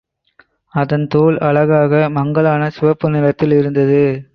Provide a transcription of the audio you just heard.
அதன் தோல் அழகாக, மங்கலான சிவப்பு நிறத்தில் இருந்தது.